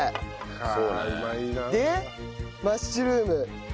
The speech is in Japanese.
そうね。でマッシュルーム。